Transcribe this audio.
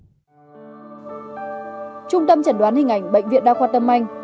trung tâm chẩn đoán hình ảnh bệnh viện đa khoa tâm anh